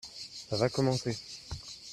ça va commencer.